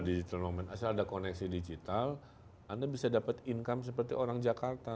digital moment asal ada koneksi digital anda bisa dapat income seperti orang jakarta